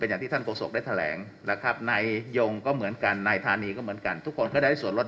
เป็นอย่างที่ท่านกระสบได้แถลงนะครับในยงย์ก็เหมือนกันในธาร์ณีก็เหมือนกันทุกคนก็ได้ส่วนลด